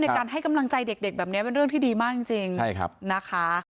ในการให้กำลังใจเด็กแบบนี้เป็นเรื่องที่ดีมากจริง